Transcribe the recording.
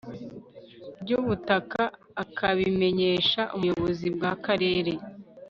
by ubutaka akabimenyesha umuyobozi w akarere